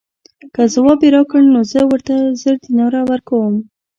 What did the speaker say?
که ځواب یې راکړ نو زه ورته زر دیناره ورکووم.